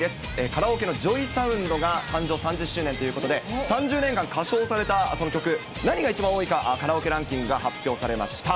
カラオケのＪＯＹＳＯＵＮＤが誕生３０周年ということで、３０年間歌唱されたその曲、何が一番多いか、カラオケランキングが発表されました。